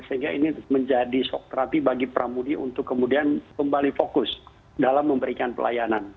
sehingga ini menjadi shock terapi bagi pramudi untuk kemudian kembali fokus dalam memberikan pelayanan